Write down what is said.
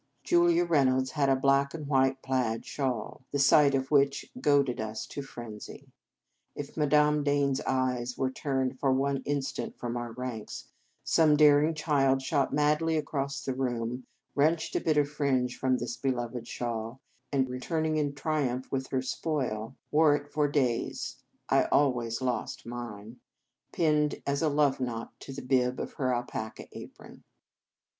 Julia Reynolds had a black and white plaid shawl, the sight of which goaded us to frenzy. If Madame Dane s eyes were turned for one instant from our ranks, some daring child shot madly across the room, wrenched a bit of fringe from this beloved shawl, and, returning in triumph with her spoil, wore it for days (I always lost mine) pinned as a love knot to the bib of her alpaca apron.